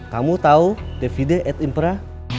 kamu tau dvd at impra